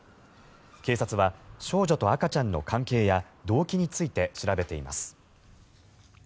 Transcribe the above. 警察は、少女と赤ちゃんの関係や動機について調べています。